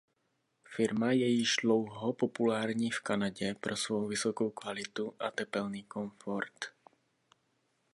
Firma je již dlouho populární v Kanadě pro svou vysokou kvalitu a tepelný komfort.